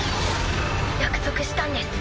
約束したんです。